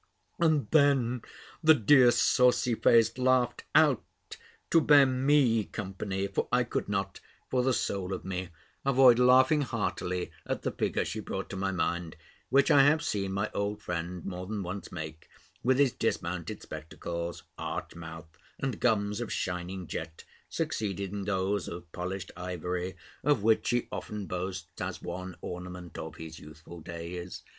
And then the dear saucy face laughed out, to bear me company; for I could not, for the soul of me, avoid laughing heartily at the figure she brought to my mind, which I have seen my old friend more than once make, with his dismounted spectacles, arch mouth, and gums of shining jet, succeeding those of polished ivory, of which he often boasts, as one ornament of his youthful days.